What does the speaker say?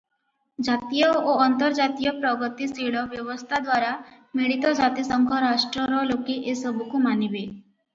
ଜାତୀୟ ଓ ଅନ୍ତର୍ଜାତୀୟ ପ୍ରଗତିଶୀଳ ବ୍ୟବସ୍ଥା ଦ୍ୱାରା ମିଳିତ ଜାତିସଂଘ ରାଷ୍ଟ୍ରର ଲୋକେ ଏସବୁକୁ ମାନିବେ ।